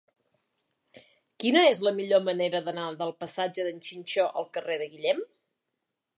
Quina és la millor manera d'anar del passatge d'en Xinxó al carrer de Guillem?